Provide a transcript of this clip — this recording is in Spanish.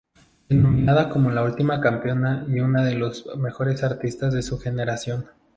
Denominada como la última campeona y una de los mejores artistas de su generación.